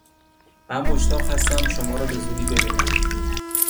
من مشتاق هستم شما را به زودی ببینم!